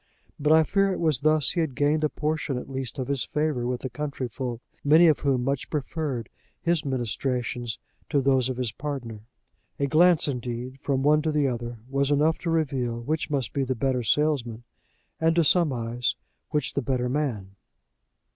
But I fear it was thus he had gained a portion at least of his favor with the country folk, many of whom much preferred his ministrations to those of his partner. A glance, indeed, from the one to the other, was enough to reveal which must be the better salesman and to some eyes which the better man.